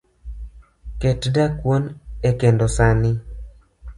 ket dakuon e kendo sani.